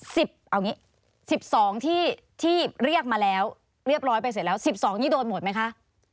เอางี้สิบสองที่ที่เรียกมาแล้วเรียบร้อยไปเสร็จแล้วสิบสองนี่โดนหมดไหมคะ